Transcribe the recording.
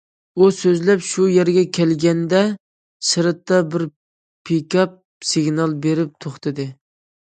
ئۇ سۆزلەپ شۇ يەرگە كەلگەندە سىرتتا بىر پىكاپ سىگنال بېرىپ توختىدى.